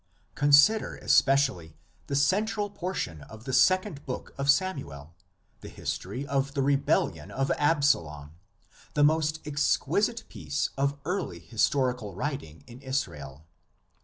Consider especially the central portion of the Second Book of Samuel, the history of the rebellion of Absalom, the most exquisite piece of early historical writing in Israel.